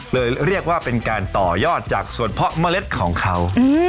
เลยเรียกว่าเป็นการต่อยอดจากส่วนเพาะเมล็ดของเขา